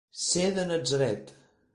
Ser de Natzaret.